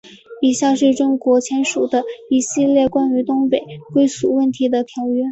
以下是中国签署的一系列关于东北归属问题的条约。